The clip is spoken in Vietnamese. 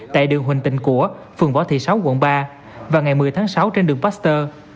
tại đường huỳnh tịnh của phường võ thị sáu quận ba và ngày một mươi tháng sáu trên đường pasteur